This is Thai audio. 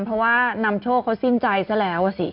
เพราะว่านำโชคเขาสิ้นใจซะแล้วสิ